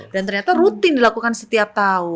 dan ternyata rutin dilakukan setiap tahun